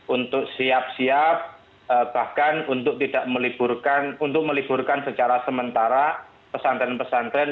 untuk siap siap bahkan untuk tidak meliburkan secara sementara pesantren pesantren